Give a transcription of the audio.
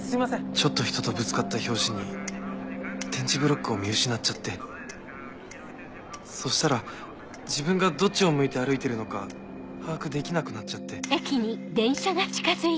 ちょっとひととぶつかった拍子に点字ブロックを見失っちゃってそしたら自分がどっちを向いて歩いてるのか把握できなくなっちゃって。